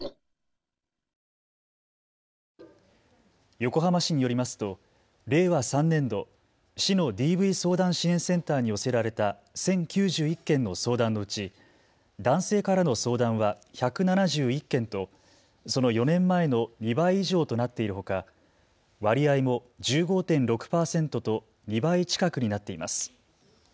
横浜市によりますと令和３年度、市のＤＶ相談支援センターに寄せられた１０９１件の相談のうち男性からの相談は１７１件とその４年前の２倍以上となっているほか割合も１５．６％と２倍近くになっています。